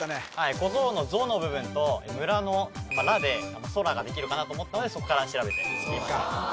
小僧の「ぞ」の部分と村の「ら」で空ができるかなと思ったのでそこから調べていきました